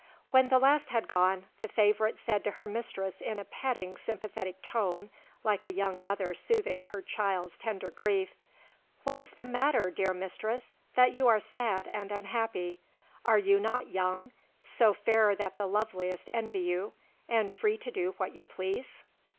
When the last had gone, the favourite said to her mistress in a petting, sympathetic tone, like a young mother soothing her child's tender grief, "What is the matter, dear mistress, that you are sad and unhappy? Are you not young, so fair that the loveliest envy you, and free to do what you please?